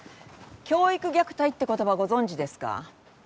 教育虐待って言葉ご存じですか？